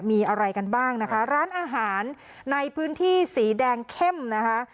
มีอะไรกันบ้างนะคะร้านอาหารในพื้นที่สีแดงเข้มนะคะ